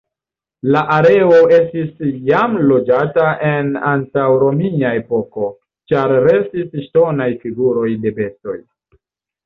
La areo estis jam loĝata en antaŭromia epoko, ĉar restis ŝtonaj figuroj de bestoj.